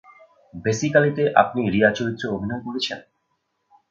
Basic আলীতে আপনি রিয়া চরিত্রে অভিনয় করেছেন?